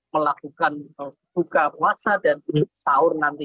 melakukan buka puasa dan sahur nanti